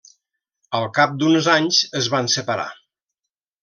Al cap d'uns anys es van separar.